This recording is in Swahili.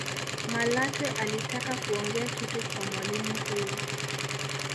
malatwe alitaka kuongea kitu kwa mwalimu huyo